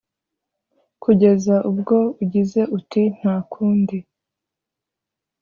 kugeza ubwo ugize uti « ntakundi, »